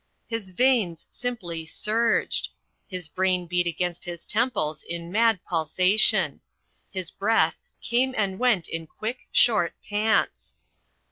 His veins simply "surged." His brain beat against his temples in mad pulsation. His breath "came and went in quick, short pants."